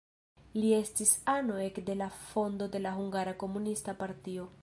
Li estis ano ekde la fondo de la Hungara Komunista partio.